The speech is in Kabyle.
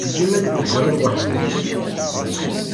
Werǧin ad d-tegriḍ weḥd-k.